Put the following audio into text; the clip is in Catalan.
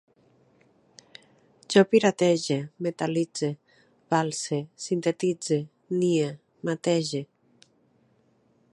Jo piratege, metal·litze, valse, sintetitze, nie, matege